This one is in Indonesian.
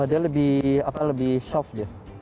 dia lebih soft dia